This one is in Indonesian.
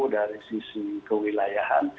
dari sisi kewilayahan